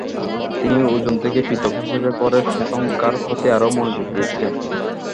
তিনি ওজন থেকে পৃথক হিসেবে ভরের সংজ্ঞার প্রতি আরও মনোযোগ দিয়েছিলেন।